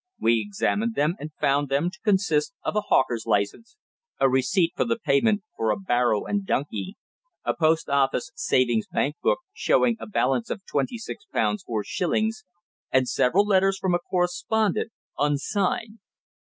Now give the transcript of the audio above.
We examined them, and found them to consist of a hawker's licence, a receipt for the payment for a barrow and donkey, a post office savings bank book, showing a balance of twenty six pounds four shillings, and several letters from a correspondent unsigned.